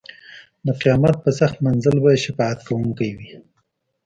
د قیامت په سخت منزل به یې شفاعت کوونکی وي.